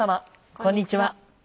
こんにちは。